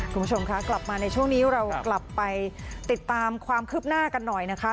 คุณผู้ชมคะกลับมาในช่วงนี้เรากลับไปติดตามความคืบหน้ากันหน่อยนะคะ